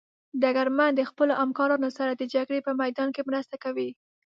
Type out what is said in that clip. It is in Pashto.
ډګرمن د خپلو همکارانو سره د جګړې په میدان کې مرسته کوي.